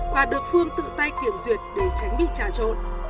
và được phương tự tay kiểm duyệt để tránh bị trà trộn